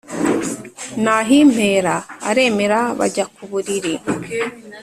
" nahimpera aremera bajya ku buriri